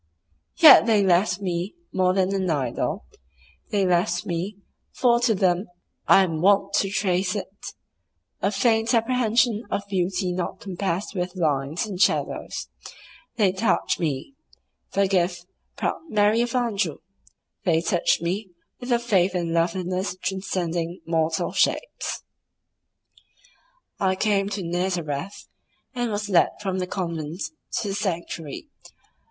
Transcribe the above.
Yet they left me more than an idol; they left me (for to them I am wont to trace it) a faint apprehension of beauty not compassed with lines and shadows; they touched me (forgive, proud Marie of Anjou!)—they touched me with a faith in loveliness transcending mortal shapes. I came to Nazareth, and was led from the convent to the sanctuary.